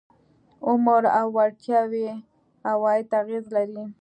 عمر او وړتیاوې عوایدو اغېز لري.